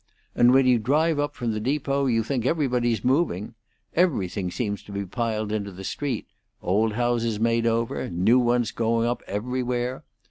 And when you drive up from the depot you think everybody's moving. Everything seems to be piled into the street; old houses made over, and new ones going up everywhere.